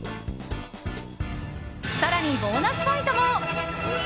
更に、ボーナスポイントも。